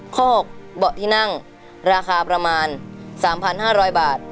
คอกเบาะที่นั่งราคาประมาณ๓๕๐๐บาท